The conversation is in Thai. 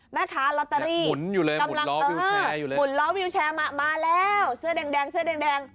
แม่ค้ารอตเตอรี่อื้มรอวิวแชร์มาแล้วเสื้อแดง